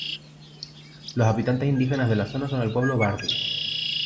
Los habitantes indígenas de la zona son el pueblo "Bardi".